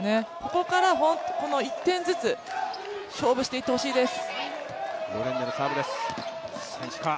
ここから１点ずつ勝負していってほしいです。